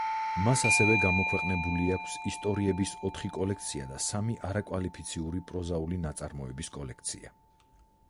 მას ასევე გამოქვეყნებული აქვს ისტორიების ოთხი კოლექცია და სამი არაკვალიფიციური პროზაული ნაწარმოების კოლექცია.